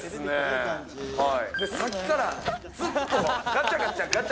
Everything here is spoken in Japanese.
さっきから、ずっとガチャガチャ。